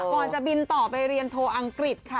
ก่อนจะบินต่อไปเรียนโทรอังกฤษค่ะ